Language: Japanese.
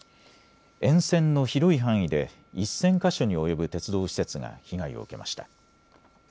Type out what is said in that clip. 沿線の広い範囲で１０００か所に及ぶ鉄道施設が被害を受けました。